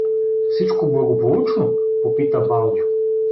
— Всичко благополучно? — попита Балдю.